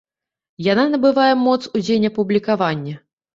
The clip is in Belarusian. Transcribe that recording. Яна набывае моц у дзень апублікавання.